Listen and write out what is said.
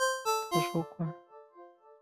图书馆藏书十一万余册。